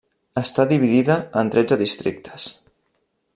Està dividida en tretze districtes.